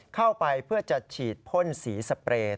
เข้าไปเพื่อจะฉีดพ่นสีสเปรย์